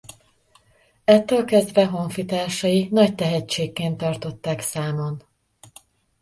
Ettől kezdve honfitársai nagy tehetségként tartották számon.